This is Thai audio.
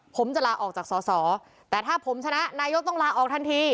ผมจะลาออกจากสอสอแต่ถ้าผมชนะนายกต้องลาออกทันที